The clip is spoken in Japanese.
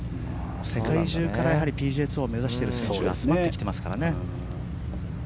世界中からＰＧＡツアーを目指している選手が集まってきていますからね。